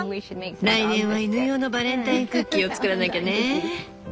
来年は犬用のバレンタインクッキーを作らなきゃね。